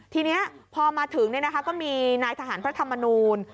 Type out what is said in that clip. ทีนี้พอมาถึงก็มีนายทหารพระธรรมนูล